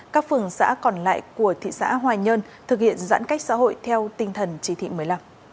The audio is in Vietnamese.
các phường xã còn lại của thị xã hoài nhơn thực hiện giãn cách xã hội theo tinh thần chỉ thị một mươi năm